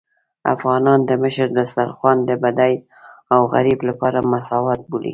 افغانان د مشر دسترخوان د بډای او غريب لپاره مساوات بولي.